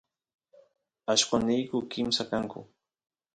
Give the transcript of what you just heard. allqosniyku kimsa kanku